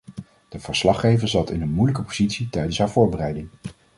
De verslaggever zat in een moeilijke positie tijdens haar voorbereiding.